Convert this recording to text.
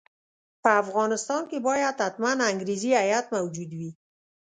په افغانستان کې باید حتماً انګریزي هیات موجود وي.